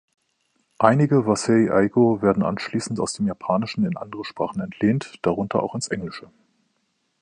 Einige „wasei-eigo“ werden anschließend aus dem Japanischen in andere Sprachen entlehnt, darunter auch ins Englische.